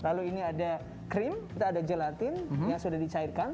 lalu ini ada krim kita ada gelatin yang sudah dicairkan